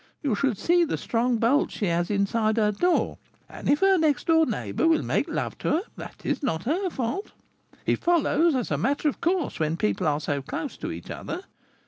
You should see the strong bolts she has inside her door; and if her next door neighbour will make love to her, that is not her fault; it follows as a matter of course when people are so close to each other.